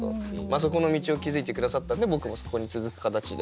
そこの道を築いて下さったんで僕もそこに続く形で。